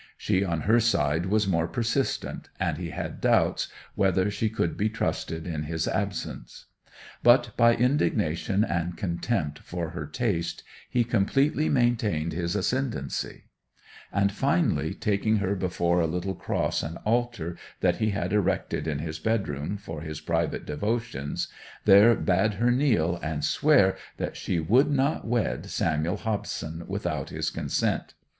She on her side was more persistent, and he had doubts whether she could be trusted in his absence. But by indignation and contempt for her taste he completely maintained his ascendency; and finally taking her before a little cross and altar that he had erected in his bedroom for his private devotions, there bade her kneel, and swear that she would not wed Samuel Hobson without his consent.